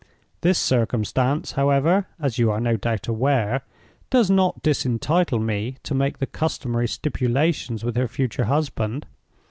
This circumstance, however (as you are no doubt aware), does not disentitle me to make the customary stipulations with her future husband.